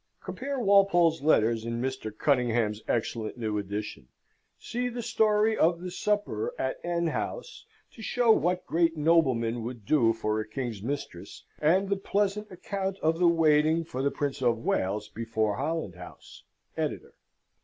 [Compare Walpole's letters in Mr. Cunningham's excellent new edition. See the story of the supper at N. House, to show what great noblemen would do for a king's mistress, and the pleasant account of the waiting for the Prince of Wales before Holland House. EDITOR.